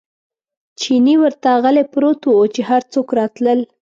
چیني ورته غلی پروت و، چې هر څوک راتلل.